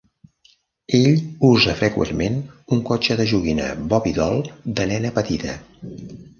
Ell usa freqüentment un cotxe de joguina Bobbie Doll de nena petita.